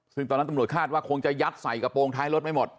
ซึ่งตอนนั้นตำรวจคาดว่าคงจะยัดใส่กระโปรงท้ายรถไม่หมด